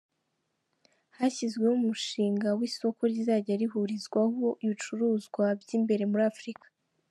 Hashyizweho umushinga w’isoko rizajya rihurizwaho ibicuruzwa by’imbere muri Afurika.